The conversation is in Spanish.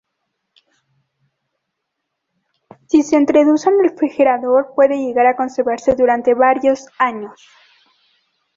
Si se introduce en el refrigerador puede llegar a conservarse durante varios años.